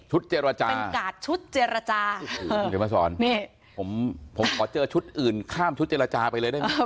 เจรจาเป็นกาดชุดเจรจาคุณเดี๋ยวมาสอนนี่ผมผมขอเจอชุดอื่นข้ามชุดเจรจาไปเลยได้ไหม